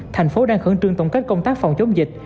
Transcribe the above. thành phố đang khẩn trương tổng kết công tác phòng chống dịch